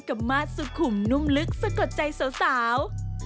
กับมาสกุมนุ่มลึกสะกดใจสาว